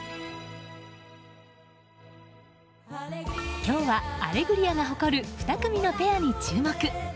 今日は「アレグリア」が誇る２組のペアに注目。